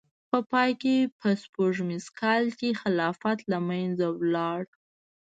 په پای کې په سپوږمیز کال کې خلافت له منځه لاړ.